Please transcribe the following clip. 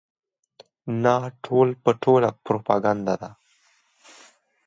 نه ټول په ټوله پروپاګنډه ده.